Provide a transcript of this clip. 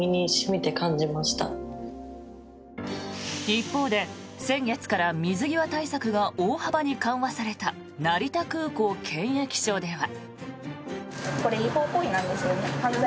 一方で、先月から水際対策が大幅に緩和された成田空港検疫所では。